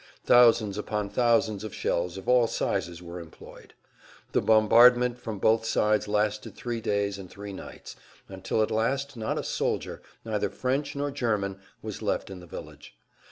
Thousands upon thousands of shells of all sizes were employed. The bombardment from both sides lasted three days and three nights, until at last not a soldier, neither French nor German, was left in the village.